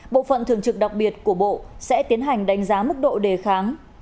bộ phận thường trực đặc biệt của bộ sẽ tiến hành đánh giá mức độ đề kháng